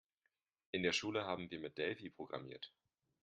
In der Schule haben wir mit Delphi programmiert.